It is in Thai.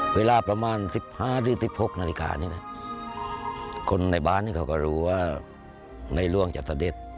เวลาประมาณ๑๕หรือ๑๖นาฬิกานี่นะคนในบ้านเขาก็รู้ว่าในร่วงจะเสด็จ